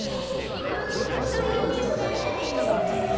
ころんでふくをよごしちゃったなんててれますよ。